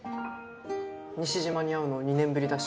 西島に会うの２年ぶりだし。